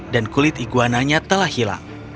dan kulit iguananya telah hilang